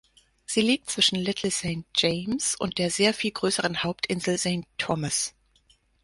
Sie liegt zwischen Little Saint James und der sehr viel größeren Hauptinsel Saint Thomas.